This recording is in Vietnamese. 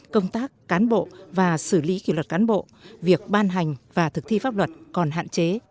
công tác cán bộ và xử lý kỷ luật cán bộ việc ban hành và thực thi pháp luật còn hạn chế